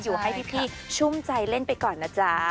อยู่ให้พี่ชุ่มใจเล่นไปก่อนนะจ๊ะ